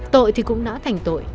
tội thì cũng đã thành tội